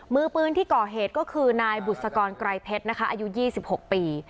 มือปืนที่ก่อเหตุก็คือนายบุษกรไกรเพชรนะคะอายุ๒๖ปี